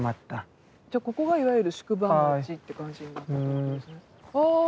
じゃここがいわゆる宿場街って感じになってたわけですね。